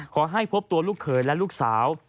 ขอให้พบตัวลูกเขยและลูกสาว